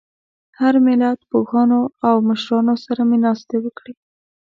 د هر ملت پوهانو او مشرانو سره مې ناستې وکړې.